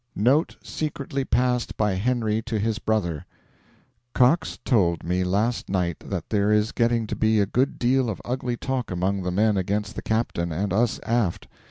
NOTE SECRETLY PASSED BY HENRY TO HIS BROTHER: Cox told me last night that there is getting to be a good deal of ugly talk among the men against the captain and us aft.